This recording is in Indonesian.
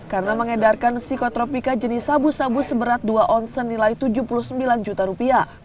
karena mengedarkan psikotropika jenis sabu sabu seberat dua onsen nilai rp tujuh puluh sembilan juta